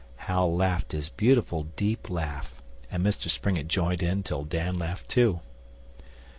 Hal laughed his beautiful deep laugh, and Mr Springett joined in till Dan laughed too.